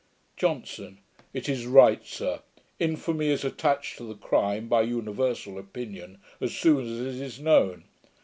JOHNSON. 'It is right, sir. Infamy is attached to the crime, by universal opinion, as soon as it is known.